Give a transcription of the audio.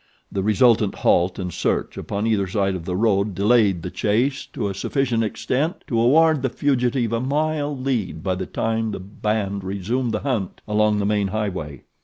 The resultant halt and search upon either side of the road delayed the chase to a sufficient extent to award the fugitive a mile lead by the time the band resumed the hunt along the main highway.